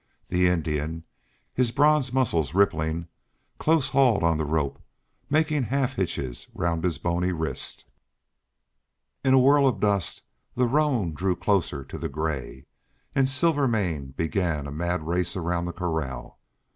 The Indian, his bronze muscles rippling, close hauled on the rope, making half hitches round his bony wrist. In a whirl of dust the roan drew closer to the gray, and Silvermane began a mad race around the corral.